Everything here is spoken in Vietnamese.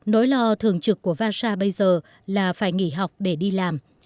nỗi lo thường trực của vasha bây giờ là phải nghỉ học để đi làm